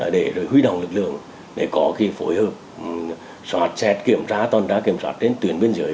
để hủy động lực lượng để có phối hợp xét kiểm tra toàn trá kiểm soát trên tuyến biên giới